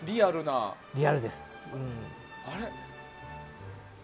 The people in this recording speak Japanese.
リアルです。